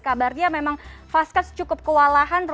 kabarnya memang vaskes cukup kewalahan